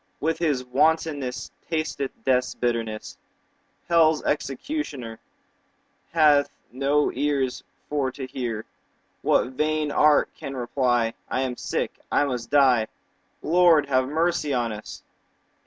Wit with his wantonness Tasteth death's bitterness; 30 Hell's executioner Hath no ears for to hear What vain art can reply; I am sick, I must die— Lord, have mercy on us!